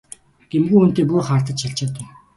Гэмгүй хүнтэй бүү хардаж чалчаад бай!